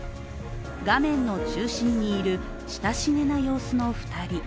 画面の中心にいる親しげな様子の２人。